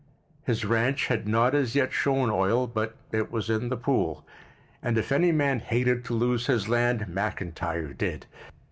His ranch had not as yet shown oil, but it was in the pool, and if any man hated to lose his land McIntyre did.